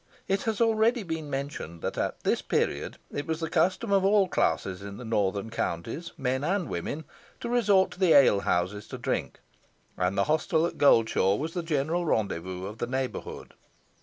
It has already been mentioned, that at this period it was the custom of all classes in the northern counties, men and women, to resort to the alehouses to drink, and the hostel at Goldshaw was the general rendezvous of the neighbourhood.